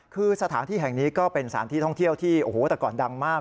คือสถานที่แห่งนี้ก็เป็นสถานที่ท่องเที่ยวที่โอ้โหแต่ก่อนดังมาก